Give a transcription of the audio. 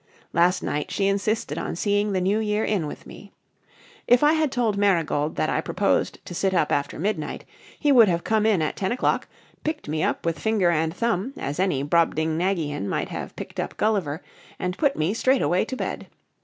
Last night she insisted on seeing the New Year in with me. If I had told Marigold that I proposed to sit up after midnight, he would have come in at ten o'clock, picked me up with finger and thumb as any Brobdingnagian might have picked up Gulliver, and put me straightway to bed.